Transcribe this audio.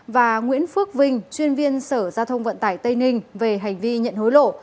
và nguyễn phước vinh chuyên viên sở giao thông vận tải tây ninh về hành vi nhận hối lộ